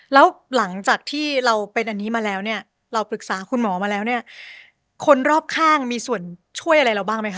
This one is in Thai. แล้วหลังจากที่เราเป็นอันนี้มาแล้วเนี่ยเราปรึกษาคุณหมอมาแล้วเนี่ยคนรอบข้างมีส่วนช่วยอะไรเราบ้างไหมค